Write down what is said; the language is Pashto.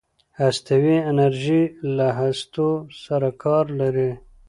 هستوي انجنیری له هستو سره کار لري.